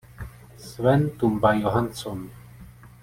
Sven Tumba Johansson.